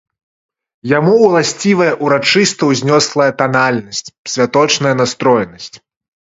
Яму ўласцівая ўрачыста-ўзнёслая танальнасць, святочная настроенасць.